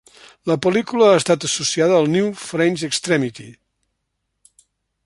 La pel·lícula ha estat associada amb New French Extremity.